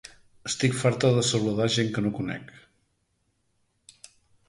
Estic farta de saludar gent que no conec.